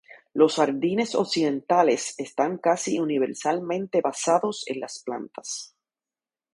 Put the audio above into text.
Los jardines occidentales están casi universalmente basados en las plantas.